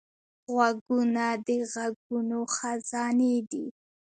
غوږونه د غږونو خزانې دي